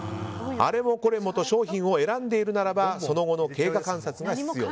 あれもこれもと商品を選んでいるならばその後の経過観察が必要。